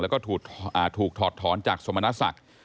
แล้วก็ถูกถอดถอนจากสมณศักดิ์